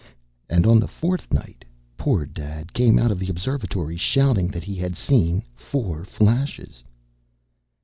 "And on the fourth night poor Dad came out of the observatory, shouting that he had seen four flashes."